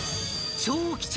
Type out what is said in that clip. ［超貴重！